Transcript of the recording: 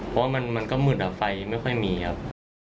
เพราะว่ามันก็มืดไฟไม่ค่อยมีครับ